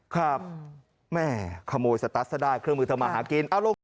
ครับแม่ขโมยสตัสซะได้เครื่องมือทำมาหากิน